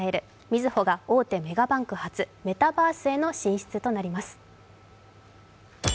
みずほが大手メガバンク初、メタバースへの進出となります。